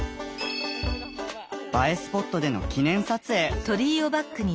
映えスポットでの記念撮影！